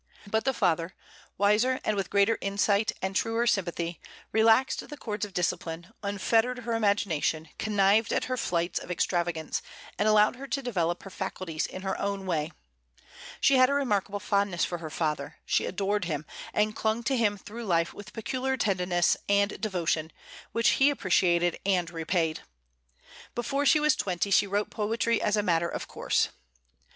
But the father, wiser, and with greater insight and truer sympathy, relaxed the cords of discipline, unfettered her imagination, connived at her flights of extravagance, and allowed her to develop her faculties in her own way. She had a remarkable fondness for her father, she adored him, and clung to him through life with peculiar tenderness and devotion, which he appreciated and repaid. Before she was twenty she wrote poetry as a matter of course.